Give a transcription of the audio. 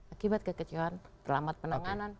akibat kekecewaan selamat penanganan